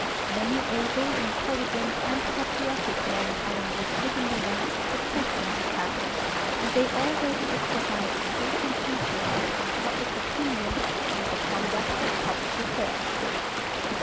Many able, intelligent and patriotic men are enlisted in the ranks of the press in Japan, and they already exercise a potent influence upon public opinion and the conduct of public affairs.